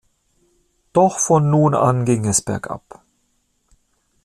Doch von nun an ging es bergab.